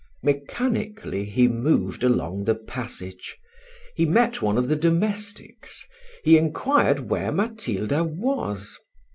Mechanically he moved along the passage. He met one of the domestics he inquired where Matilda was.